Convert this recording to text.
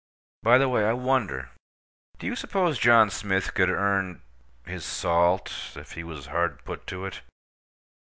By the way, I wonder: do you suppose John Smith could earn—his salt, if he was hard put to it?